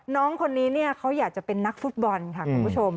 น้องคนนี้เนี่ยเขาอยากจะเป็นนักฟุตบอลค่ะคุณผู้ชม